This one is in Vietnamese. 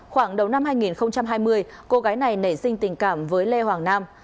khoảng đầu năm hai nghìn hai mươi cô gái này nảy sinh tình cảm với lê hoàng nam